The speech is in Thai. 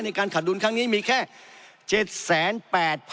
ในการขาดตุลครั้งนี้มีแค่